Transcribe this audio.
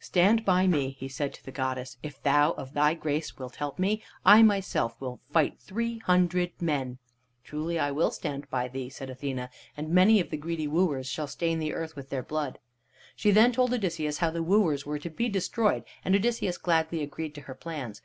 "Stand by me!" he said to the goddess. "If thou of thy grace wilt help me, I myself will fight three hundred men." "Truly I will stand by thee," said Athene, "and many of the greedy wooers shall stain the earth with their blood." She then told Odysseus how the wooers were to be destroyed, and Odysseus gladly agreed to her plans.